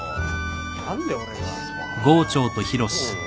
何で俺が。